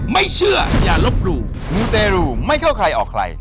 ไม่เชื่ออย่าลบหลู่มูเตรูไม่เข้าใครออกใคร